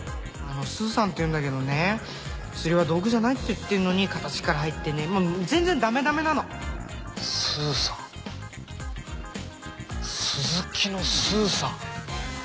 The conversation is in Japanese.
スーさんっていうんだけどね釣りは道具じゃないって言ってるのに形から入ってね全然ダメダメなのスーさん鈴木のスーさん。